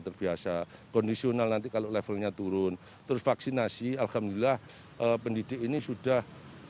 terbiasa kondisional nanti kalau levelnya turun terus vaksinasi alhamdulillah pendidik ini sudah